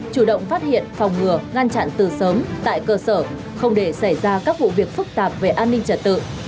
chủ động phát hiện phòng ngừa ngăn chặn từ sớm tại cơ sở không để xảy ra các vụ việc phức tạp về an ninh trật tự